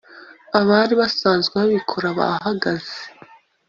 Abari basanzwe babikora bahagaze